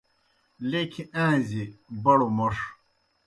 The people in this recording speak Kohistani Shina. لیکھیْ آݩزیْ، بڑوْ موْݜ